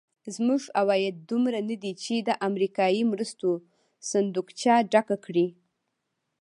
زموږ عواید دومره ندي چې د امریکایي مرستې صندوقچه ډکه کړي.